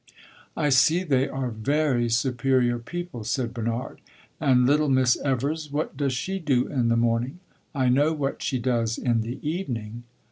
"I see they are very superior people," said Bernard. "And little Miss Evers what does she do in the morning? I know what she does in the evening!"